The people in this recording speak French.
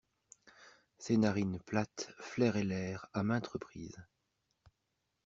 Ses narines plates flairaient l'air, à maintes reprises.